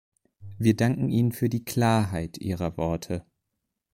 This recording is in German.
Wir danken Ihnen für die Klarheit Ihrer Worte.